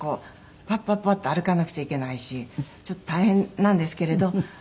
パッパッパッて歩かなくちゃいけないしちょっと大変なんですけれど。